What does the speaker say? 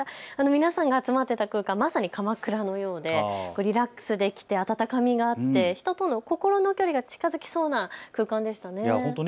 皆さんが集まっていた空間、まさに、かまくらのようでリラックスできて温かみがあって人との心の距離が近づきそうな空間でしたね。